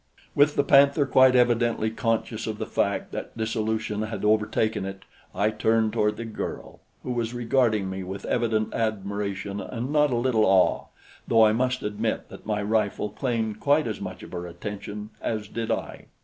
With the panther quite evidently conscious of the fact that dissolution had overtaken it, I turned toward the girl, who was regarding me with evident admiration and not a little awe, though I must admit that my rifle claimed quite as much of her attention as did I.